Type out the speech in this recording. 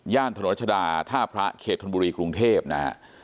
ถนนรัชดาท่าพระเขตธนบุรีกรุงเทพนะฮะ